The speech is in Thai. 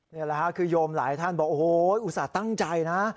นี่แหละค่ะคือโยมหลายท่านบอกโอ้โหอุตส่าห์ตั้งใจนะ